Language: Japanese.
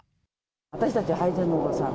私たちは配膳のおばさん。